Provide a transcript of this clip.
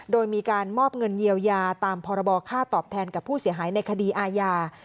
โดยมีการมอบเงินเยียวยาตามพรบค่าตอบแทนกับผู้เสียหายในคดีอาญา